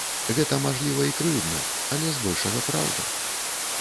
Гэта, мажліва, і крыўдна, але збольшага праўда.